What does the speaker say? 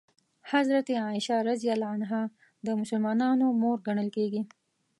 حضرت عایشه رض د مسلمانانو مور ګڼل کېږي.